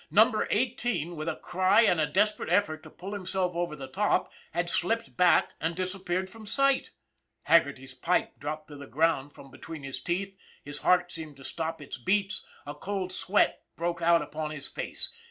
Number Eighteen, with a cry and a desperate effort to pull himself over the top, had slipped back and disappeared from sight ! Haggerty's pipe dropped to the ground from be tween his teeth, his heart seemed to stop its beats, a cold sweat broke out upon his face.